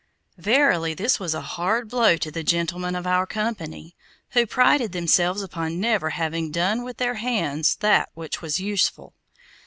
Verily this was a hard blow to the gentlemen of our company, who prided themselves upon never having done with their hands that which was useful.